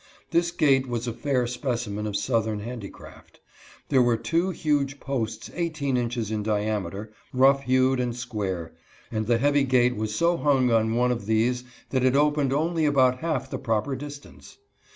This gate was a fair specimen of southern handicraft. There were two huge posts eighteen inches in diameter, rough hewed and square, and the heavy gate was so hung on one of these that it opened only about half the proper distance.